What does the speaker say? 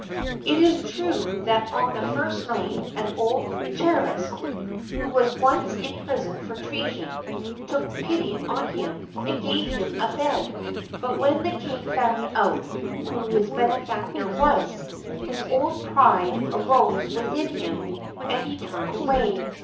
It is true that on the first night an old Chartist, who was once imprisoned for treason, took pity on him, and gave him a bed, but when the king found out who his benefactor was, his old pride arose within him, and he turned away.